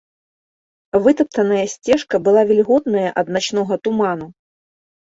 Вытаптаная сцежка была вільготная ад начнога туману.